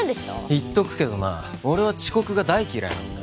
言っとくけどな俺は遅刻が大嫌いなんだよ